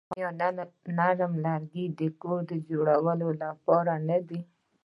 آیا نرم لرګي د کور جوړولو لپاره نه دي؟